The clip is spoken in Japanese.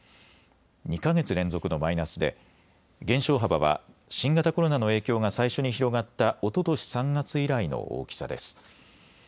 ２か月連続のマイナスで減少幅は新型コロナの影響が最初に広がったおととし３月以来の大きさです。